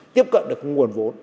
tiếp cận được nguồn vốn